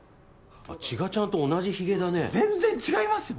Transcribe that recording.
茅ヶちゃんと同じヒゲだね全然違いますよ！